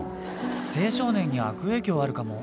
青少年に悪影響あるかも。